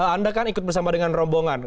anda kan ikut bersama dengan rombongan